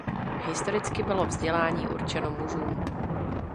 Historicky bylo vzdělání určeno mužům.